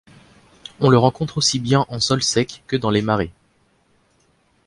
On le rencontre aussi bien en sol sec que dans les marais.